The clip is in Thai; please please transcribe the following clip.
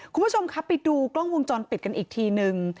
คุณผู้ชมครับไปดูกล้องวงจรปิดกันอีกทีนึง